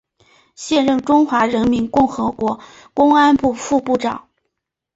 现任中华人民共和国公安部副部长。